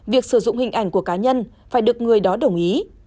việc sử dụng hình ảnh của cá nhân phải được người đó đồng ý